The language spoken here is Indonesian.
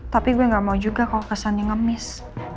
tapi gue gak mau juga kalau kesannya ngemis